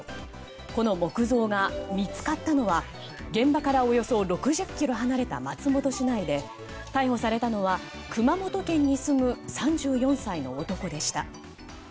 この木像が見つかったのは現場からおよそ６０ｋｍ離れた松本市内で逮捕されたのは、熊本県に住む３４歳の男でした。